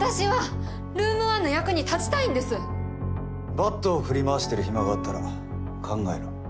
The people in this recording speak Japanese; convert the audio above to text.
バットを振り回してる暇があったら考えろ。